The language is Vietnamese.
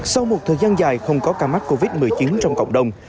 sau một thời gian dài không có ca mắc covid một mươi chín trong cộng đồng